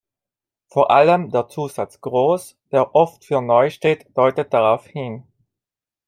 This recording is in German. Vor allem der Zusatz "Groß", der oft für "Neu" steht, deutet darauf hin.